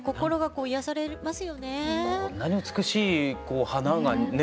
こんなに美しい花がね